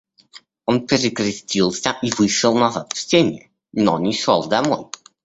Он перекрестился и вышел назад в сени, но не шел домой.